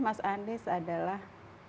mas anies adalah